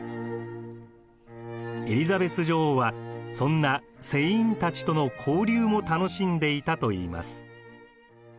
エリザベス女王はそんな「船員たちとの交流」も楽しんでいたといいます。